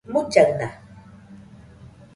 mullaɨna